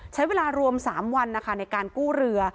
ใช้เวลารวม๓วันนะคะในการกู้เรือ